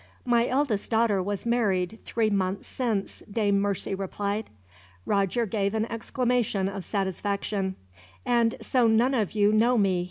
"My eldest daughter was married, three months since," Dame Mercy replied. Roger gave an exclamation of satisfaction. "And so none of you know me?"